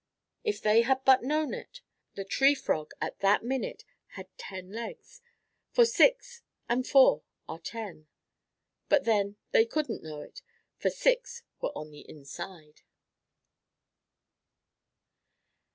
If they had but known it, the Tree Frog at that minute had ten legs, for six and four are ten. But then, they couldn't know it, for six were on the inside.